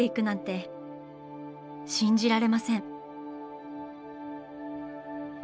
信じられません。